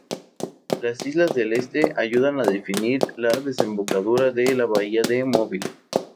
Las islas del este ayudan a definir la desembocadura de la bahía de Mobile.